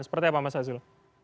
seperti apa mas azul